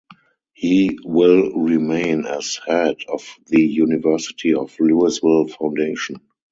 He will remain as head of the University of Louisville Foundation.